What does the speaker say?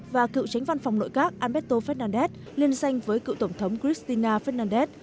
và cựu tránh văn phòng nội các alberto fernandez liên danh với cựu tổng thống christina fernandez